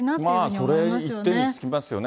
それ、一点に尽きますよね。